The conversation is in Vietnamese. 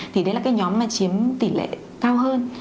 thì đấy là cái nhóm mà chiếm tỷ lệ cao hơn